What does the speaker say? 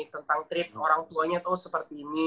tentang tweet orang tuanya tuh seperti ini